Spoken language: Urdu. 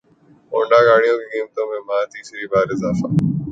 ہونڈا گاڑیوں کی قیمتوں میں ماہ میں تیسری بار اضافہ